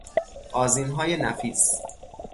آذینهای نفیس